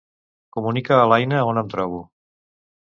Comunica a l'Aina on em trobo.